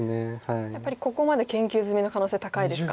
やっぱりここまで研究済みの可能性高いですか？